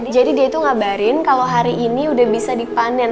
jadi dia tuh ngabarin kalau hari ini udah bisa dipanen